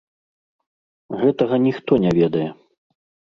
Гэтага ніхто не ведае.